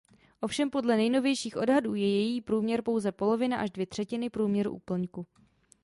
Ovšem podle nejnovějších odhadů je její průměr pouze polovina až dvě třetiny průměru úplňku.